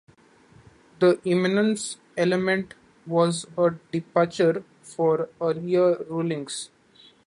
The imminence element was a departure from earlier rulings.